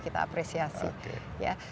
kita apresiasi oke